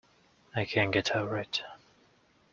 I can’t get over it.